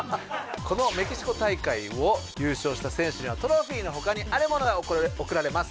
このメキシコ大会を優勝した選手にはトロフィーの他にある物が贈られます。